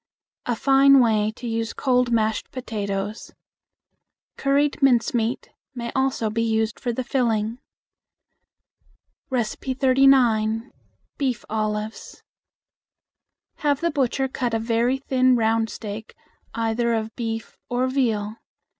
Fine way to use cold mashed potatoes. Curried mincemeat may also be used for the filling. 39. Beef Olives. Have the butcher cut a very thin round steak either of beef or veal.